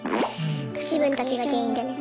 自分たちが原因でね。